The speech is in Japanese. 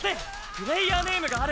プレイヤーネームがある。